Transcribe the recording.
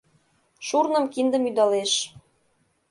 Шурным-киндым ӱдалеш.